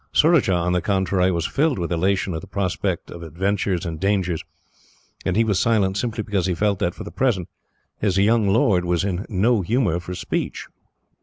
Surajah, on the contrary, was filled with elation at the prospect of adventures and dangers, and he was silent simply because he felt that, for the present, his young lord was in no humour for speech.